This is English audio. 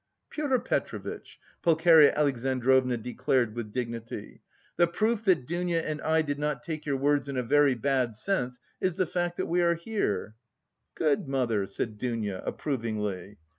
"Pyotr Petrovitch," Pulcheria Alexandrovna declared with dignity, "the proof that Dounia and I did not take your words in a very bad sense is the fact that we are here." "Good, mother," said Dounia approvingly.